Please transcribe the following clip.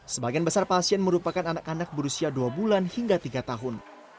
sebagian besar pasien merupakan anak anak berusia dua bulan hingga tiga tahun